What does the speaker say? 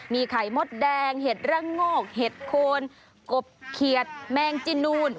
มีไข่มดแดงเห็ดระโงกเห็ดโคนกบเขียดแมงจีนูน